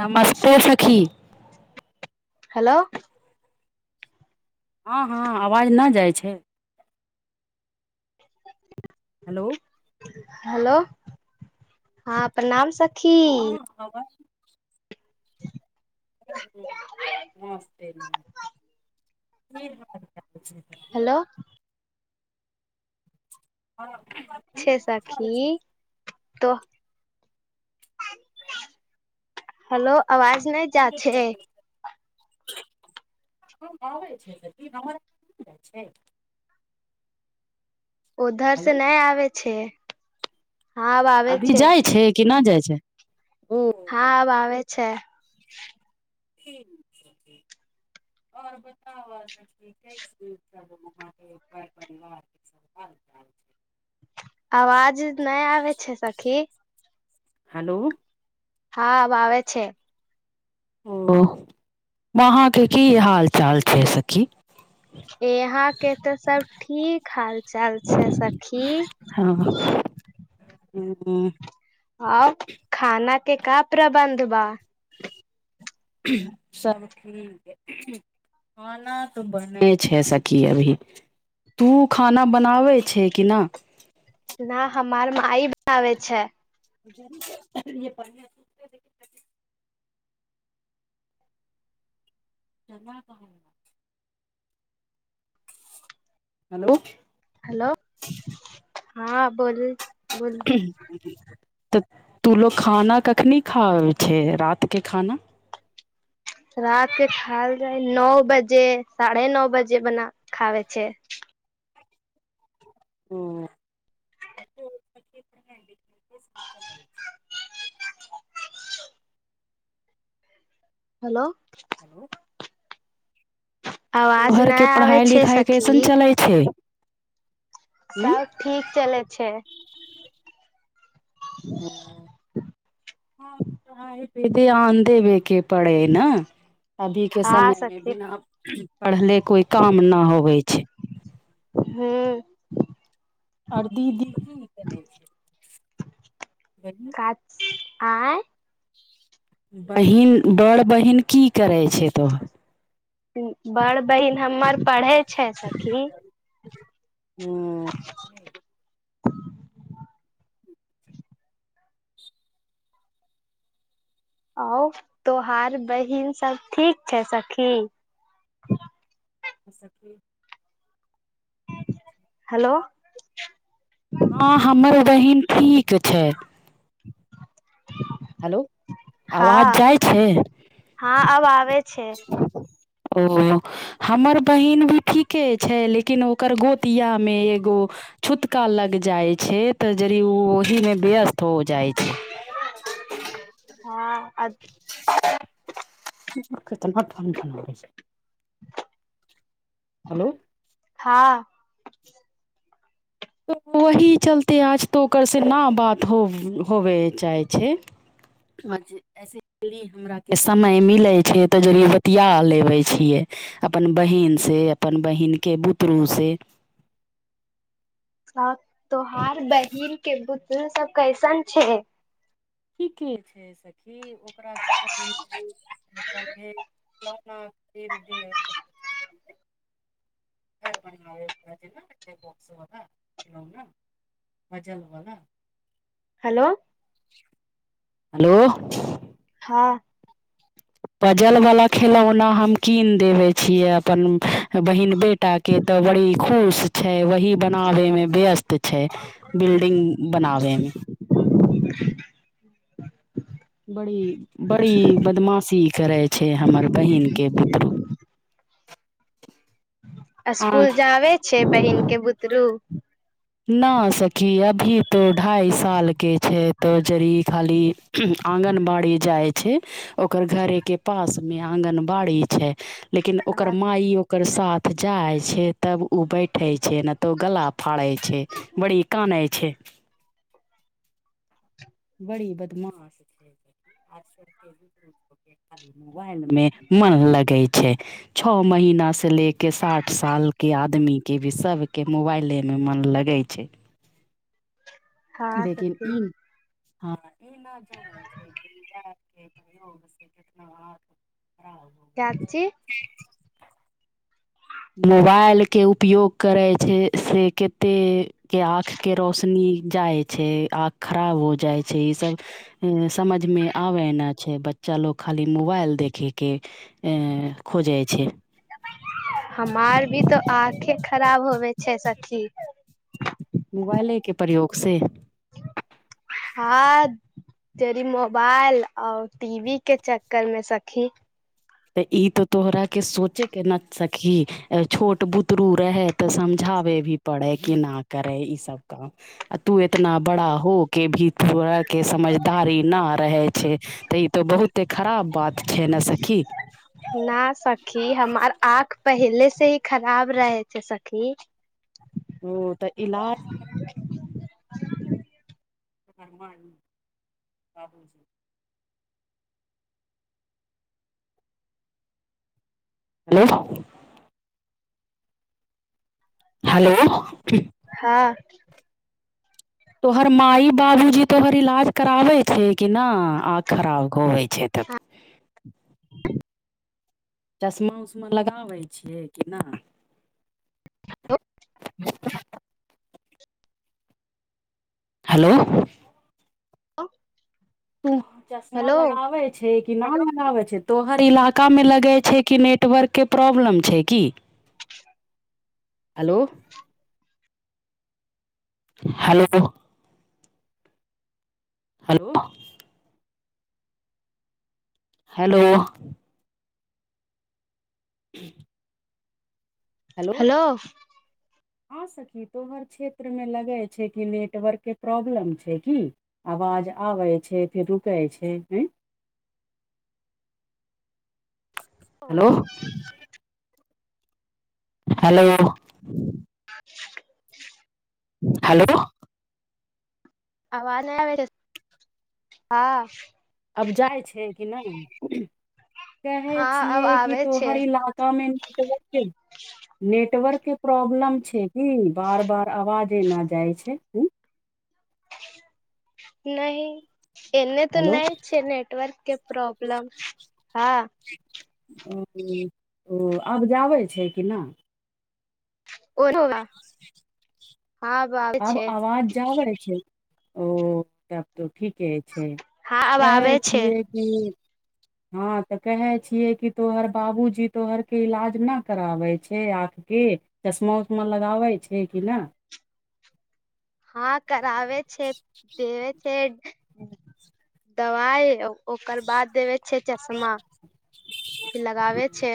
नमस्ते सखी हेलो हँ हँ आवाज न जाइ छै हेलो हेलो हँ प्रणाम स हँ आवाज नमस्ते बेचने हेलो प हँ छे साखी तो हेलो अवाज नहि जा छै आबै छै हमर जाइ छै ओधर् से हेलो नहि आ छै हँ आावे छै केना जाइ छै ओ हँ आावे छै ठीक आओर बताह परिवार हालचाल छै अवाज नहिय आ छै सखी हेलो हँ आावे छै ओ वहाँके की हाल चाल छै सखी इहाँ के तऽ सब ठीक हाल चाल छै सखी ह आब खाना के क प्रबन्ध बा सभ ठीक खाना तऽ बन छै सखी अभी तू खाना बनाबै छै किना न हमर म ई ब आ छै जमा कह हेलो हेलो हँ बोलू बोल तऽ तू लोको खाना कखनी खा छै रातिके खाना रात के खायल जाइ नओ बजे साढ़े नओ बजे बना खावे छै ह हेलो हेलो तो आवाज घरके नहि आबै पढ़ाइ छै लिखाइ कइसन सखी चलै छै हूँ सब ठीक चलै छै ध आ देे वेके पड़े ने अभी के हँ समय मे सखी बिना पढ़ले कोई काम न होवे छै हँ अर दी दी कच आँय बहीन बड़ बहीन की करै छै तो बड़ बहिन हमर पढ़े छै सखी तोहर आऔ तोहार बहिन सब ठीक छै सखी जैस कि हेलो हँ हमर उबहीन ठीक छै हेलो हँ आवाज जाइ छै हँ अब आबै छै ओ हमर बहिन भी ठीके छै लेकिन ओकर गोतिया मे एगो छूतका लग जाइ छै तऽ जरी ओ ओहि मे व्यस्त हो जाइ छै हँ अ केतना धन धन छै हँ तऽ ओही चलते आज तऽ ओकरसँ न बात हो होबय चाहै छै आसे यि हमराके समय मिलै छै तऽ जलिए बतििया लेबै छियै अपन बहिीनसँ अपन बहिनके बुतरूसँ ह तो हार बहन के बुध त सब कैसन छै ठीके छै सखी ओकरा तऽ हम कले खिलौनाेरर बनाब जे बॉक्सवला खिलौना मजलवला हेलो हेलो हँ पजल बला खेलौना हम कीन देबे छियै अपन बहिीन बेटी एकटाके तऽ बड़ी खुश छै वही बनाबैमे व्यस्त छै बिल्डिंग बनाबैमे बड़ी बड़ी बदमाशी करै छै हमर बहीनके बुतरू आ स्कुल जाबे छै बहिन के बुतरू न सखी अभी तो ढाई साल के छै तो जरी खाली आंगनबाड़ी जाइ छै ओकर घरेके पास मे आगन बाड़ी छै लेकिन ओकर हँ माय ई ओकर साथ जाइ छै तब उ बैठे छै ने तो गला फाड़े छै बड़ी कानै छै बड़ी बदमाश छै व मे मन लगे छै छै छओ महिना से ले के साठ साल के आदमी के भी सब के मोबाइले मे मन लगै छै हाँ लेकिन सचे ई हँ ई न ज छै प्रना चाची मोबाइल के उपयोग करै छै से कते के आँखके रोशनी जाइ छै आँख खराब हो जाइ छै ईसभ हूँ समझमे आबेना छै बच्चा लोग खाली मोबाइल देखै के ऐं खोजैइ छै हमार भी तो आँखे खराब होवै छै सखी मोबाइलेके प्रयोग से हाँ जरि मोबाइल आओर टीवीके चक्करमे सखी तऽ ई तो तोहरा के सोचे के न सखी छोट बुतरू रहे तऽ समझाबे भी पड़े की ना करे ई सब काम आ तू इतना बड़ा होके भी तोरा के समझदारी ना रहे छै तऽ ई तो बहुते खराब बात छै ने सखी ना सखी हमर आँख पहिले से ही खराब रहै छै सखी ओ तऽ इलाज [unintelligible] घरमा ही बाबू हेलो हेलो हाँ तोहर माई बाबूजी तोहर इलाज कराबै छै कि ना आँख खराब होबै छै तऽ चश्मा उश्मा लगाबै छियै की नहि हेलो हेलो [unintelligible] तू चश्मा हेलो लगाबै छै कि ना लगाबै छै तोहर इलाकामे लगै छै कि नेटवर्कके प्रॉब्लम छै की हेलो हेलो हेलो हेलो हूँ हेलो हाँ सखी तोहर क्षेत्रमे लगै छै की नेटवर्कके प्रॉब्लम छै की आवाज आबै छै फेर रुकै छै हें हेलो हेलो [unintelligible] हेलो आवाज नहि आबै अछि हँ अब जाइ छै की नहि कहै हँ अब छियै कि आबै छै तोहर इलाकामे [unintelligible] नेटवर्कके प्रॉब्लम छै की बार बार आवाज ना जाइ छै हूँ नहि एने तऽ हेलो नै छै नटवर्कके प्रॉब्लम हाँ ओ-ओ अब जाबै छै की ना [unintelligible] आबै अब छै आवाज जाबै छै ओ तब तो ठीके छै हँ आब कहै आबै छै छियै कि हाँ तऽ कहै छियै कि तोहर बाबूजी तोहरके इलाज ना कराबै छै आँखिके चश्मा उश्मा लगाबै छै की ना हाँ कराबे छै [unintelligible] दवाइ ओ- ओकर बाद देवे छै चश्मा फिर लगाबै छै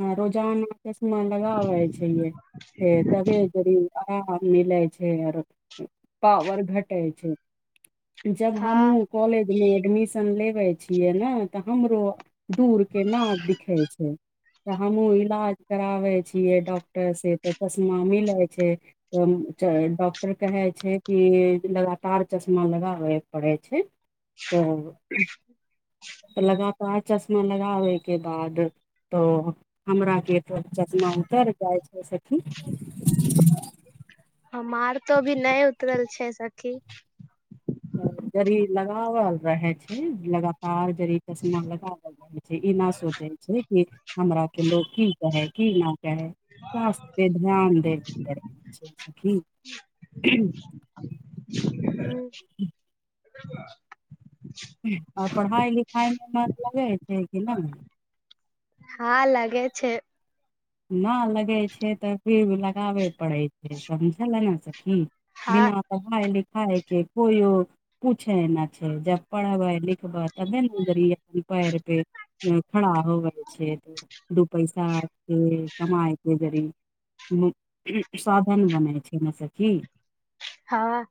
हाँ रोजाना चश्मा लगाबै छैेलियै फेर तभे जरि हाँ मिल छै आरों पावर घटै छै जब हँ हम उ-कॉलेज एडमिशन लेबै छियै न तऽ हमरो दूर के ना दिखै छै तऽ हमहूँ इलाज कराबै छियै डॉक्टरसे तऽ चश्मा मिलै छै तऽ च-डॉक्टर कहै छै कि लगातार चश्मा लगाबैय पड़ै छै तऽ तऽ लगातार चश्मा लगाबै के बाद तो हमराके तो चश्मा उतैर जाइ छै से [unintelligible] हमार तो अभी नहि उतरल छै सखी जरि लगावल रहै छै लगातार जरि चश्मा लगावल रहै छै ई न सोचे छै की हमरा के लोग की कहै की ना चाहे स्वास्थ्यपे ध्यान दै पड़ै छै सखी [unintelligible] [unintelligible] आ पढ़ाइ लिखाइमे मन लागै छै की नहि हाँ लागे छै ना लगै छै तऽ फिर लगाबै पड़ै छै समझले न सखी हँ बिना पढ़ाई लि- खाइके कोइयो पूछे ने छै जब पढ़बै लिखबै तबे जरि अपनी पैर पे खड़ा होवै छै दू पैसाके आरके कमायके जरि साधन बनै छै ने सखी हाँ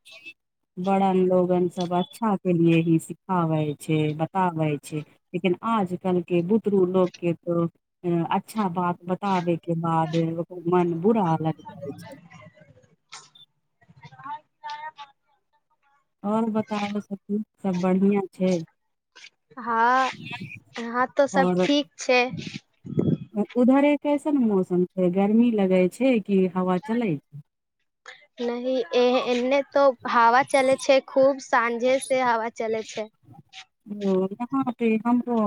बड़न लोगन सब अच्छाके लिए ही सिखाबै छै बताबै छै लेकिन आजकलके बुतरू लोक के तो हें अच्छा बात बताबे के बाद मन बुरा लग जाइ छै [unintelligible] आओर बताउ सखी सब बढ़ियाँ छै हाँ हाँ तऽ सब और ठीक छै [unintelligible] उधरे कैसन मौसम छै गर्मी लगै छै कि हवा चलै छै नहि ए-एने तो हावा चलै छै खूब साँझे से हवा चले छै ओ यहाँ पे हमरो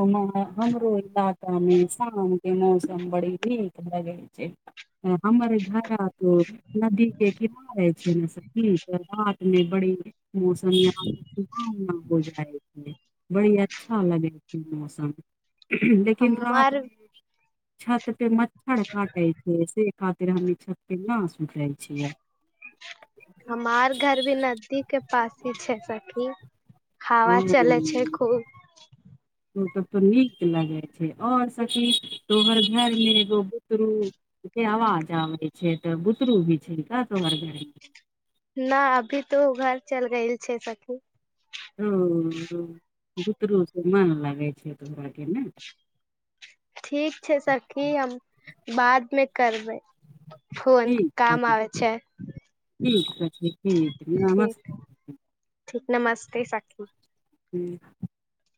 हमरो इलाकामे शामके मौसम बड़ी नीक लगै छै हमर घड़ा तो नदी के किनारे छै न सखी तऽ रातमे बड़ी मौसम यहाँ तऽ सुहावना हो जाइ छै बड़ी अच्छा लगै छै मौसम लेकिन हमर रातमे छत मच्छर काटै छै से आखिर हम ई छतपे ना सुतै छियै हमार घर भी नदी के पास ही छै सखी हवा ओ चले छै खूब ओ तब तऽ नीक लगै छै आओर सखी तोहर घरमे एगो बुतरूके आवाज आबै छै तऽ बुतरू भी छै का तोहर घरमे ना अभी तो घर चल गेएल छै सखी ओ-अ बुतरूसँ मन लगै छै तोहराके ने ठीक छै सखी हम बादमे करबै फोन ठीक काम है, आबै छै ठीक ठीक ठीक नमस्ते ठीक, नमस्ते सखी। ह्म